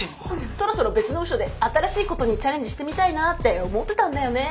そろそろ別の部署で新しいことにチャレンジしてみたいなって思ってたんだよね。